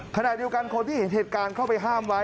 ขณะเดียวกันคนที่เห็นเหตุการณ์เข้าไปห้ามไว้